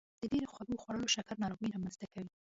د ډیرې خوږې خوړل شکر ناروغي رامنځته کوي.